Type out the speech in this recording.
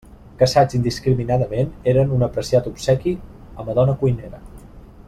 Caçats indiscriminadament, eren un apreciat obsequi a madona cuinera.